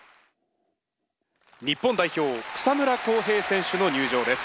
日本代表草村航平選手の入場です。